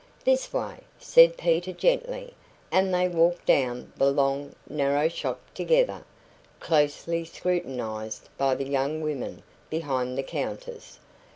"This way," said Peter gently; and they walked down the long, narrow shop together, closely scrutinised by the young women behind the counters.